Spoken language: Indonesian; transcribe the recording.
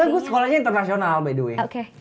enggak gue sekolahnya internasional by the way